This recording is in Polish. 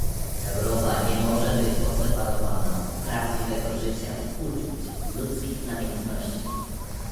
Europa nie może być odseparowana od prawdziwego życia, uczuć, ludzkich namiętności